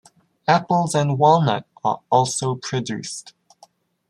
Apples and walnuts are also produced.